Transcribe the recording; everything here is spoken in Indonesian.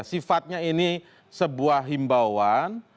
sifatnya ini sebuah himbauan